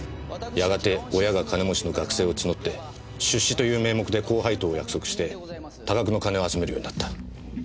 やがて親が金持ちの学生を募って出資という名目で高配当を約束して多額の金を集めるようになった。